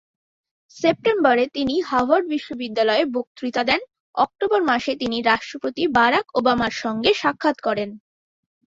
সেপ্টেম্বরে তিনি হার্ভার্ড বিশ্ববিদ্যালয়ে বক্তৃতা দেন, অক্টোবর মাসে তিনি রাষ্ট্রপতি বারাক ওবামার সঙ্গে সাক্ষাত করেন।